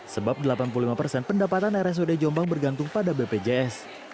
sebab delapan puluh lima persen pendapatan rsud jombang bergantung pada bpjs